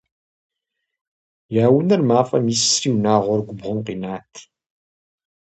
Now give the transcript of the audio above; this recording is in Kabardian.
Я унэр мафӀэм исри, унагъуэр губгъуэм къинат.